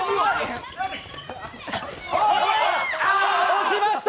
落ちました！